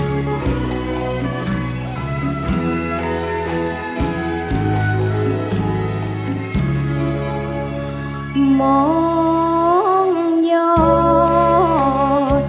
ถึงมีสอยทองสองร้อยเซน